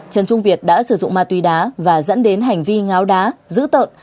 trần trung việt đã sử dụng ma túy đá và dẫn đến hành vi ngáo đá giữ tợn